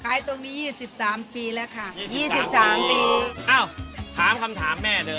ขายตรงนี้ยี่สิบสามปีแล้วค่ะยี่สิบสามปีอ้าวถามคำถามแม่เลย